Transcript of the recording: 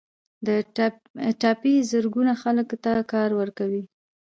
ټاپي زرګونه خلکو ته کار ورکوي